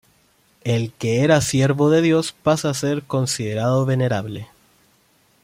El que era Siervo de Dios pasa a ser considerado Venerable.